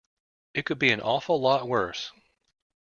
It could be an awful lot worse.